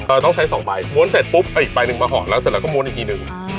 เราต้องใช้สองใบม้วนเสร็จปุ๊บเอาอีกใบหนึ่งมาห่อแล้วเสร็จแล้วก็ม้วนอีกทีหนึ่ง